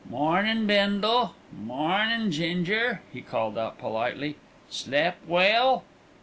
"Mornin', Bindle; mornin', Ginger," he called out politely. "Slep' well?"